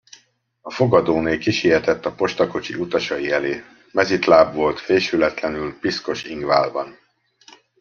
A fogadóné kisietett a postakocsi utasai elé; mezítláb volt, fésületlenül, piszkos ingvállban.